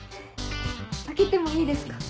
開けてもいいですか？